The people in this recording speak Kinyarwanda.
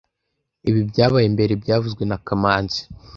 Ibi byabaye mbere byavuzwe na kamanzi